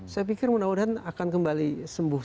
saya pikir mudah mudahan akan kembali sembuh